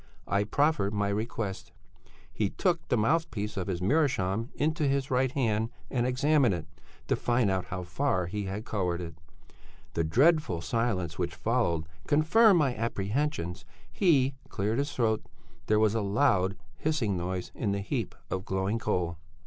I proffered my request. He took the mouthpiece of his meerschaum into his right hand and examined it to find out how far he had coloured it. The dreadful silence which followed confirmed my apprehensions. He cleared his throat; there was a loud, hissing noise in the heap of glowing coal.